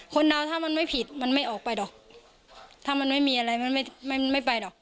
เดาถ้ามันไม่ผิดมันไม่ออกไปหรอกถ้ามันไม่มีอะไรมันไม่ไม่ไปหรอก